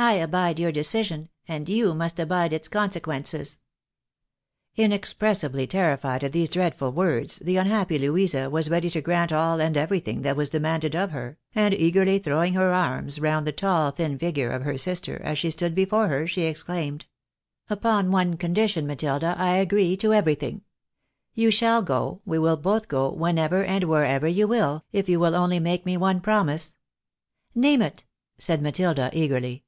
I abide your decision, and you must abide its conse quences !" Inexpressibly terrified at these dreadful words, the unhappy Louisa was ready to grant all and everything that was demanded of her ; and eagerly throwing her arms round the tall, thin figure of her sister, as she stood before her, she exclaimed —•" Upon one condition, Matilda, I agree to everything. You shall go, we will both go whenever and wherever you will, if you will only make me one promise." " Name it," said Matilda, eagerly.